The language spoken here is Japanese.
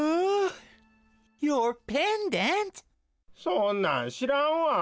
そんなんしらんわ。